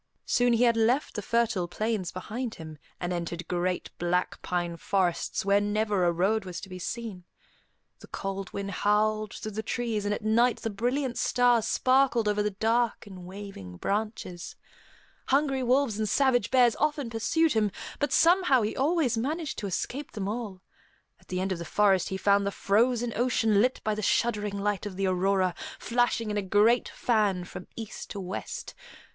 Soon he had left the fertile plains behind him, and entered great, black pine forests where never a road was to be seen. The cold wind howled through the trees, and at night the brilliant stars sparkled over the dark and waving branches. Hungry wolves and savage bears often pursued him, but somehow he always managed to escape them all. At the end of the forest he found the frozen ocean lit by the shuddering light of the aurora, flashing in a great fan from east to west.